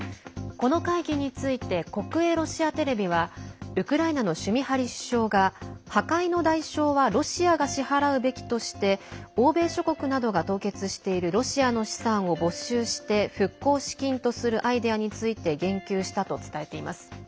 この会議について国営ロシアテレビはウクライナのシュミハリ首相が破壊の代償はロシアが支払うべきとして欧米諸国などが凍結しているロシアの資産を没収して復興資金とするアイデアについて言及したと伝えています。